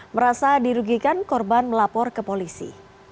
merasa dirugikan korban melapor ke polisi